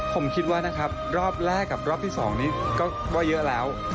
ผมคิดว่านะครับรอบแรกกับรอบที่๒นี้ก็ว่าเยอะแล้ว